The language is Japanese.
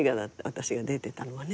私が出てたのはね。